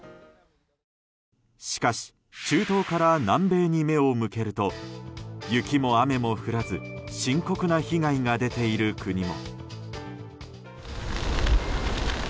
しかし、中東から南米に目を向けると雪も雨も降らず深刻な被害が出ている国も。